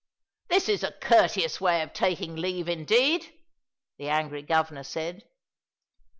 "This is a courteous way of taking leave, indeed!" the angry governor said.